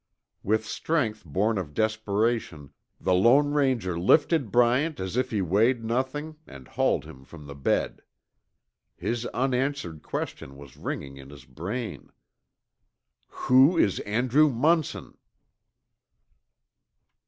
With strength born of desperation, the Lone Ranger lifted Bryant as if he weighed nothing, and hauled him from the bed. His unanswered question was ringing in his brain. "Who is Andrew Munson!"